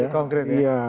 lebih konkret ya